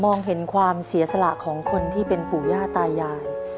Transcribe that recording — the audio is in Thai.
เห็นความเสียสละของคนที่เป็นปู่ย่าตายาย